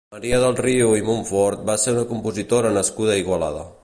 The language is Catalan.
Maria del Rio i Montfort va ser una compositora nascuda a Igualada.